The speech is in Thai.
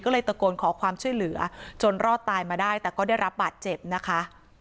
ก็เลยตะโกนขอความช่วยเหลือจนรอดตายมาได้แต่ก็ได้รับบาดเจ็บนะคะ